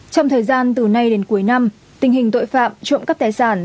trong thời gian từ nay đến cuối năm tình hình tội phạm trộm cắp tài sản